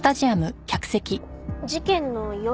事件の夜？